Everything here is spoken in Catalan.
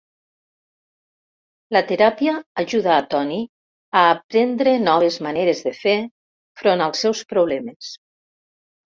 La teràpia ajuda a Tony a aprendre noves maneres de fer front als seus problemes.